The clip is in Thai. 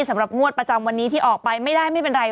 สำหรับงวดประจำวันนี้ที่ออกไปไม่ได้ไม่เป็นไร